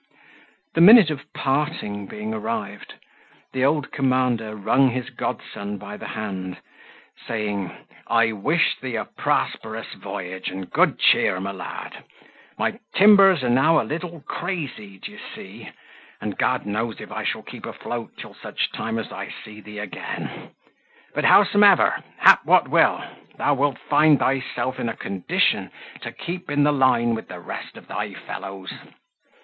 The minute of parting being arrived, the old commander wrung his godson by the hand, saying, "I wish thee a prosperous voyage and good cheer, my lad: my timbers are now a little crazy, d'ye see; and God knows if I shall keep afloat till such time as I see thee again; but howsomever, hap what will, thou wilt find thyself in a condition to keep in the line with the rest of thy fellows."